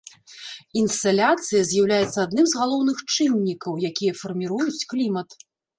Інсаляцыя з'яўляецца адным з галоўных чыннікаў, якія фарміруюць клімат.